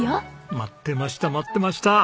待ってました待ってました！